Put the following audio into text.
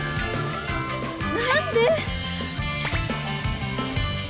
何で！